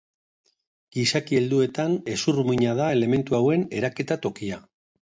Gizaki helduetan hezur muina da elementu hauen eraketa tokia.